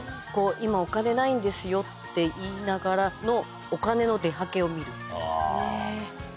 「今お金ないんですよ」って言いながらのお金の出はけを見る。